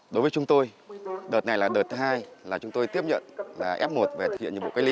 đối với chúng tôi đợt này là đợt hai là chúng tôi tiếp nhận là f một về thực hiện nhiệm vụ cách ly